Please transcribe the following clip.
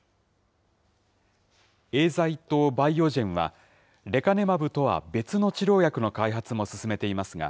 エーザイとバイオジェンは、レカネマブとは別の治療薬の開発も進めていますが、